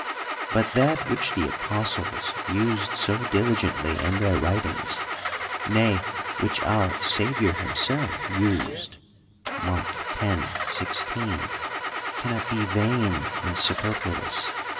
But that which the apostles used so diligently in their writings, nay, which our Saviour himself used (Mark x. 16), cannot be vain and superfluous.